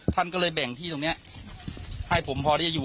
ท่านพรุ่งนี้ไม่แน่ครับ